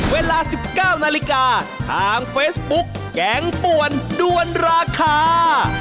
เวลา๑๙นาฬิกาทางเฟซบุ๊กแกงป่วนด้วนราคา